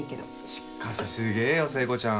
しっかしすげぇよ聖子ちゃん